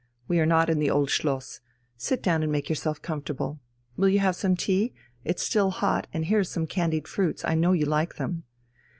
We are not in the Old Schloss. Sit down and make yourself comfortable. Will you have some tea? It's still hot, and here are some candied fruits, I know you like them."